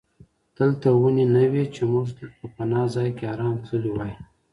دلته ونې نه وې چې موږ په پناه ځای کې آرام تللي وای.